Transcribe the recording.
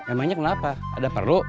emangnya kenapa ada perlu